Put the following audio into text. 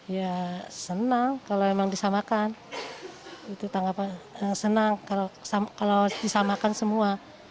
ya senang kalau memang disamakan senang kalau disamakan semua